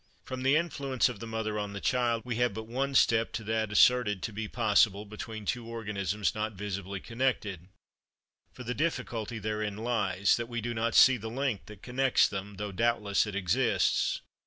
From the influence of the mother on the child, we have but one step to that asserted to be possible between two organisms not visibly connected for the difficulty therein lies, that we do not see the link that connects them, though doubtless it exists.